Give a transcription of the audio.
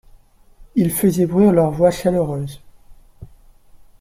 Ils faisaient bruire leurs voix chaleureuses.